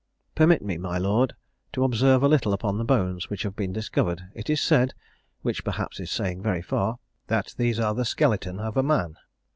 "Permit me next, my lord, to observe a little upon the bones which have been discovered. It is said (which perhaps is saying very far) that these are the skeleton of a man.